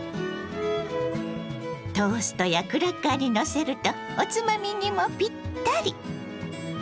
トーストやクラッカーにのせるとおつまみにもピッタリ！